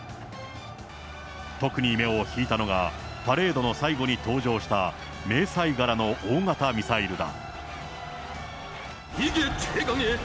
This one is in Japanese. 特に目を引いたのが、パレードの最後に登場した、迷彩柄の大型ミサイルだ。